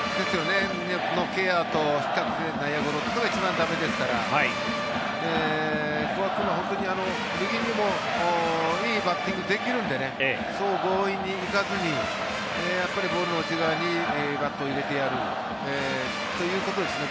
そのケアと引っかけての内野ゴロというのが一番駄目ですから古賀君は右にもいいバッティングができるのでそう強引に行かずにやっぱりボールの内側にバットを入れてやるということですね。